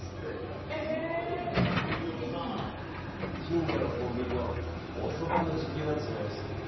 近所のコンビニの遅番の時給になってしまいました。